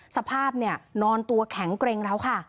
สภาพเนี่ยนอนตัวแข็งเกร็งแล้วค่ะ